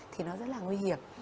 thì nó rất là nguy hiểm